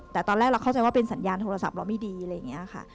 แต่ตอนแรกเราเข้าใจว่าเป็นสัญญาณโทรศัพท์เราไม่ดีอะไรอย่างนี้ค่ะ